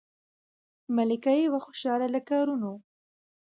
ملکه یې وه خوشاله له کارونو